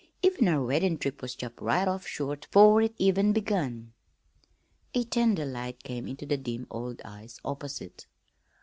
"Even our weddin' trip was chopped right off short 'fore it even begun." A tender light came into the dim old eyes opposite.